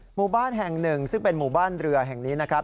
หมู่บ้านแห่งหนึ่งซึ่งเป็นหมู่บ้านเรือแห่งนี้นะครับ